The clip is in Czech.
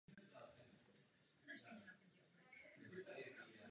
Členské státy se musejí především postavit čelem ke své odpovědnosti.